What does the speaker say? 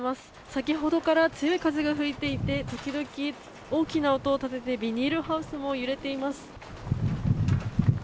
先ほどから強い風が吹いていて時々、大きな音を立ててビニールハウスも揺れています。